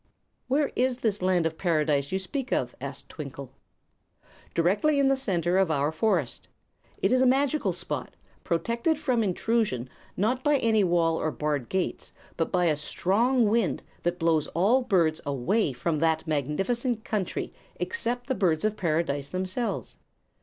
"Where is this Land of Paradise you speak of?" asked Twinkle. "Directly in the center of our forest. It is a magical spot, protected from intrusion not by any wall or barred gates, but by a strong wind that blows all birds away from that magnificent country except the Birds of Paradise themselves.